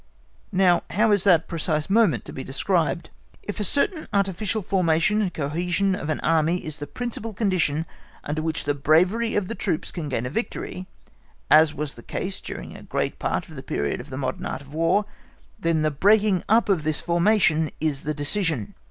Now how is that precise moment to be described? If a certain artificial formation and cohesion of an Army is the principal condition under which the bravery of the troops can gain a victory, as was the case during a great part of the period of the modern Art of War, then the breaking up of this formation is the decision.